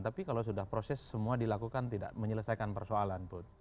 tapi kalau sudah proses semua dilakukan tidak menyelesaikan persoalan